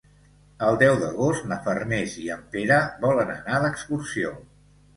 El deu d'agost na Farners i en Pere volen anar d'excursió.